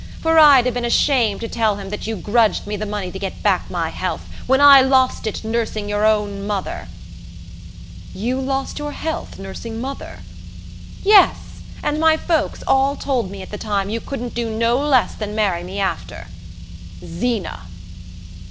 For I'd 'a' been ashamed to tell him that you grudged me the money to get back my health, when I lost it nursing your own mother!" "You lost your health nursing mother?" "Yes; and my folks all told me at the time you couldn't do no less than marry me after " "Zeena!"